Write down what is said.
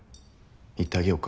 言ってあげようか？